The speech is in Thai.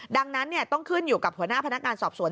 ดังนั้นต้องขึ้นอยู่กับหัวหน้าพนักงานสอบสวน